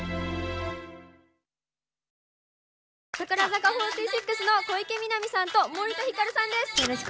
櫻坂４６の小池美波さんと森田ひかるさんです。